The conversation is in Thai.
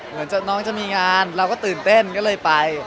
เหมือนน้องจะมีงานเราก็ตื่นเต้นก็เลยไป